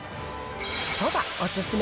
そばお勧め